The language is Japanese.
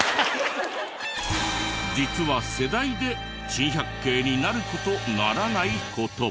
実は世代で珍百景になる事ならない事。